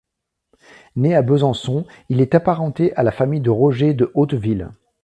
Né à Besançon, il est apparenté à la famille de Roger de Hauteville.